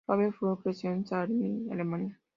Robert Flux creció en Salzgitter, Alemania.